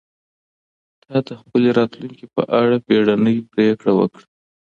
تا د خپلي راتلونکي په اړه بیړنۍ پرېکړه وکړه.